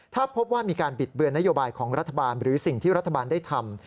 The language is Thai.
ถ้าพบว่ามีการบิดเบือนนโยบายของรัฐบาลหรือสิ่งที่รัฐบาลได้ทำ